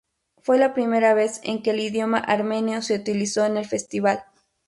Fue la primera vez en que el idioma armenio se utilizó en el Festival.